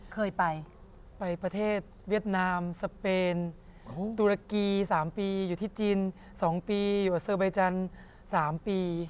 เคยไปไปประเทศเวียดนามสเปนตุรกี๓ปีอยู่ที่จีน๒ปีอยู่กับเซอร์ใบจันทร์๓ปี